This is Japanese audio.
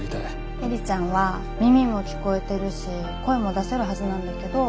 映里ちゃんは耳も聞こえてるし声も出せるはずなんだけど話せないの。